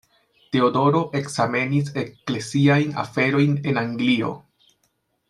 Teodoro ekzamenis ekleziajn aferojn en Anglio.